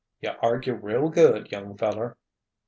"You argue real good, young feller."